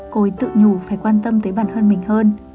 cô tự nhủ phải quan tâm tới bản thân mình hơn